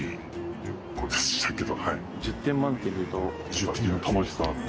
１０点満点でいうと？